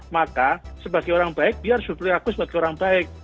maka sebagai orang baik dia harus berperilaku sebagai orang baik